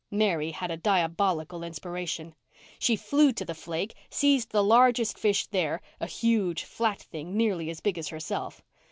Mary had a diabolical inspiration. She flew to the "flake" and seized the largest fish there—a huge, flat thing, nearly as big as herself.